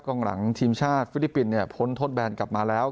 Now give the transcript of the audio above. หลังทีมชาติฟิลิปปินส์เนี่ยพ้นทดแบนกลับมาแล้ว